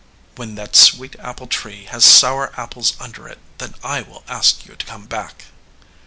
"When that sweet apple tree has sour apples under it, then I will ask you to come back."